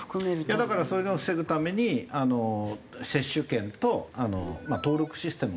だからそういうのを防ぐために接種券と登録システムがあって。